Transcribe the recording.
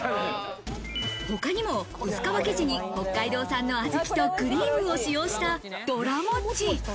他にも薄皮生地に北海道産の小豆とクリームを使用したどらもっち。